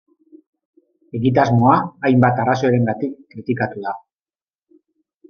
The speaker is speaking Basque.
Egitasmoa hainbat arrazoirengatik kritikatu da.